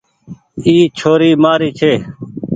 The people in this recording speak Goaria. اي ڇوري مآري ڇي۔